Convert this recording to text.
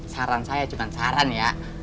saran saya cuma saran ya